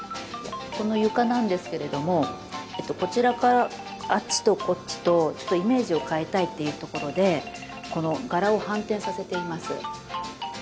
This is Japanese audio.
この床なんですけれどもこちらからあっちとこっちとちょっとイメージを変えたいっていうところでこの柄を反転させています。